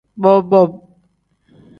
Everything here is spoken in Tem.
Bob-bob.